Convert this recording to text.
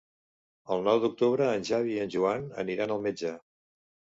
El nou d'octubre en Xavi i en Joan aniran al metge.